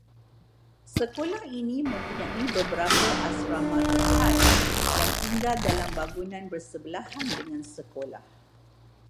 Sekolah ini mempunyai beberapa asrama terhad, yang tinggal dalam bangunan bersebelahan dengan sekolah